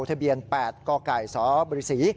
ทะเบียน๘กกสบ๙๓๑๕